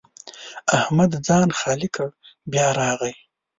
احمد ځان خالي کړ؛ بیا راغی.